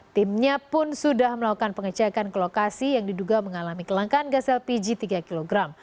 timnya pun sudah melakukan pengecekan ke lokasi yang diduga mengalami kelangkaan gas lpg tiga kg